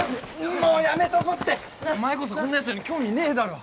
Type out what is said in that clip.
もうやめとこってお前こそこんなヤツらに興味ねえだろ